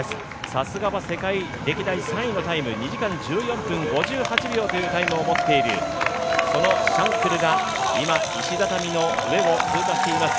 さすがは世界歴代３位のタイム２時間１４分５８秒というタイムを持っているそのシャンクルが今、石畳の上を通過しています。